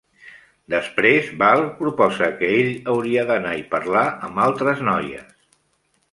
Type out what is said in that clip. Després, Valo proposa que ell hauria d'anar i parlar amb altres noies.